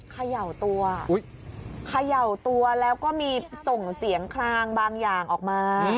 เขย่าตัวเขย่าตัวแล้วก็มีส่งเสียงคลางบางอย่างออกมา